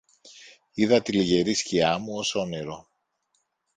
είδα τη λυγερή σκιά μου, ως όνειρο